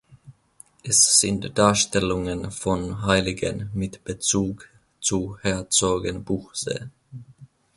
Es sind Darstellungen von Heiligen mit Bezug zu Herzogenbuchsee.